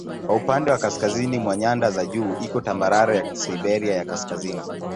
Kwa upande wa kaskazini mwa nyanda za juu iko tambarare ya Siberia ya Kaskazini.